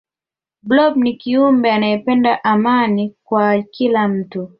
blob ni kiumbe anayependa amani kwa kila mtu